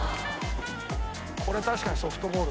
「これ確かにソフトボール」